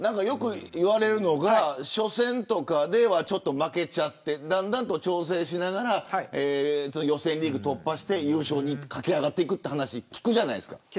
よくいわれるのが初戦とかでは負けちゃってだんだんと調整しながら予選リーグ突破して優勝に駆け上がっていく話聞くじゃないですか。